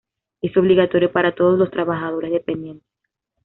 Es obligatorio para todos los trabajadores dependientes.